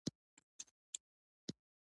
هغه په مشاعره کې د وطن په یاد وژړل